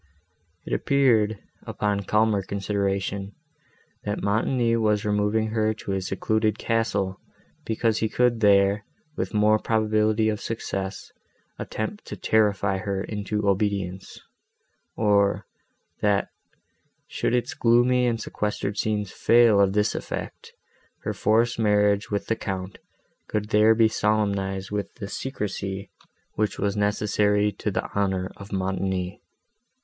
It appeared, upon calmer consideration, that Montoni was removing her to his secluded castle, because he could there, with more probability of success, attempt to terrify her into obedience; or, that, should its gloomy and sequestered scenes fail of this effect, her forced marriage with the Count could there be solemnized with the secrecy, which was necessary to the honour of Montoni.